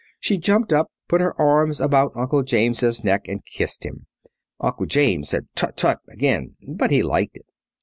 She jumped up, put her arms about Uncle James' neck and kissed him. Uncle James said, "Tut, tut," again, but he liked it.